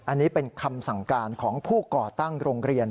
อันนี้เป็นคำสั่งการของผู้ก่อตั้งโรงเรียน